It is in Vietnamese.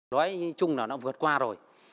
nói chung là nó vượt qua rồi